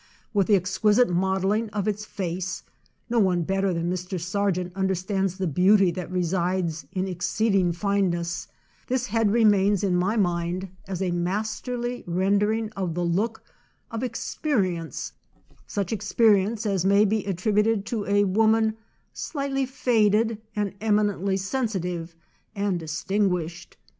With the exquisite modelling' of its face (no one better than Mr. Sargent under stands the beauty that resides in exceed ing fineness), this head remains in my mind as a masterly rendering of the look of experience â such experience as may be attributed to a woman slightly faded and eminently sensitive and distinguished.